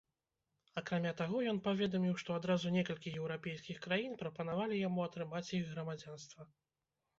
Акрамя таго, ён паведаміў, што адразу некалькі еўрапейскіх краін прапанавалі яму атрымаць іх грамадзянства.